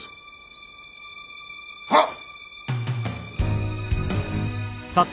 はっ。